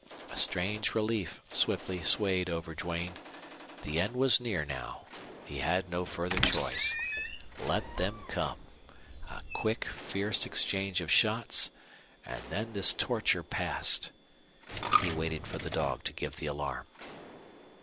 A strange relief swiftly swayed over Duane. The end was near now. He had no further choice. Let them come a quick fierce exchange of shots and then this torture past! He waited for the dog to give the alarm.